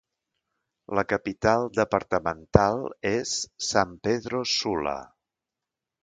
La capital departamental és San Pedro Sula.